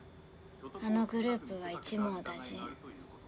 あのグループは一網打尽。